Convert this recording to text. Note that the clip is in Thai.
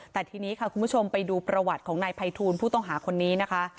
แต่ทีนี้ค่ะคุณผู้ชมไปดูประวัติของนายภัยทูลผู้ต้องหาคนนี้นะคะ